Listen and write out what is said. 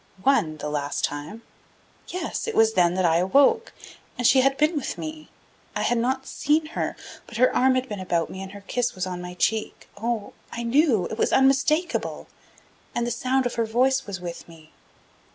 "One, the last time." "Yes; it was then that I awoke. And she had been with me. I had not seen her, but her arm had been about me and her kiss was on my cheek. Oh. I knew; it was unmistakable. And the sound of her voice was with me."